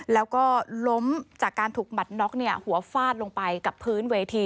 แล้วก็ล้มจากการถูกหมัดน็อกหัวฟาดลงไปกับพื้นเวที